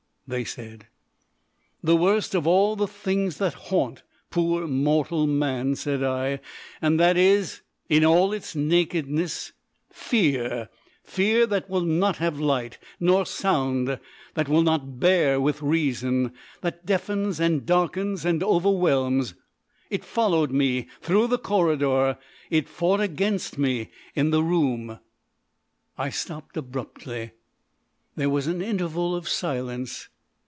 they said. "The worst of all the things that haunt poor mortal man," said I; "and that is, in all its nakedness Fear! Fear that will not have light nor sound, that will not bear with reason, that deafens and darkens and overwhelms. It followed me through the corridor, it fought against me in the room" I stopped abruptly. There was an interval of silence.